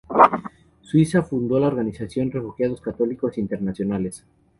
En Suiza fundó la organización Refugiados Católicos Internacionales.